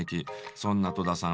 そんな戸田さん